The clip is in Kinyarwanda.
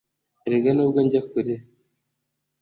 Erega nubwo njya kure